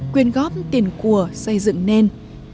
quyên góp tiền của xây dựng nền